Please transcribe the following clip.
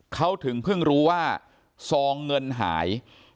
เขาถึงเพิ่งรู้ว่าซองเงินหาย